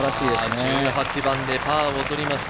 １８番でパーを取りました。